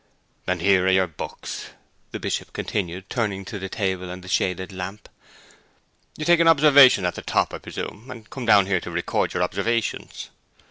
'And here are your books,' the Bishop continued, turning to the table and the shaded lamp. 'You take an observation at the top, I presume, and come down here to record your observations.'